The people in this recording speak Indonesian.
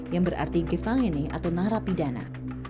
yang berarti gevangene atau narapi dana